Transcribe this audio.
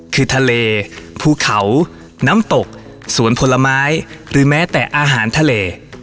คือทะเลภูเขาน้ำตกสวนผลไม้หรือแม้แต่อาหารทะเล